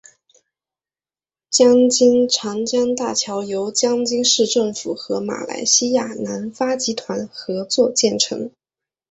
江津长江大桥由江津市政府和马来西亚南发集团合作修建。